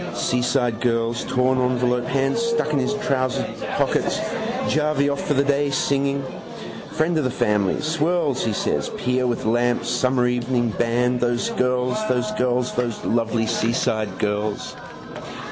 Seaside girls. Torn envelope. Hands stuck in his trousers' pockets, jarvey off for the day, singing. Friend of the family. Swurls, he says. Pier with lamps, summer evening, band. Those girls, those girls, Those lovely seaside girls.